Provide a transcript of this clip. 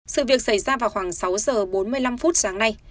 sự việc xảy ra vào khoảng sáu giờ bốn mươi năm phút sáng nay